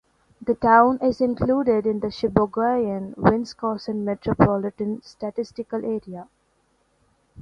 The town is included in the Sheboygan, Wisconsin Metropolitan Statistical Area.